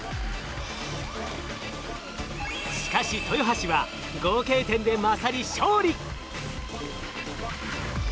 しかし豊橋は合計点で勝り勝利。